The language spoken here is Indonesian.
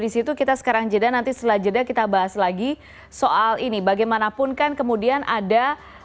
di situ kita sekarang jeda nanti setelah jeda kita bahas lagi soal ini bagaimanapun kan kemudian ada